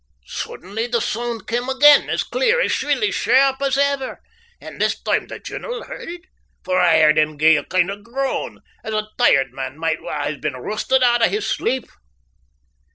Suddenly the soond cam again, as clear, as shrill, as shairp as ever, and this time the general heard it, for I heard him gie a kind o' groan, as a tired man might wha has been roosed oot o' his sleep.